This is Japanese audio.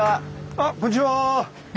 あこんにちは。